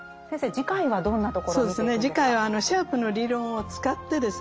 次回はシャープの理論を使ってですね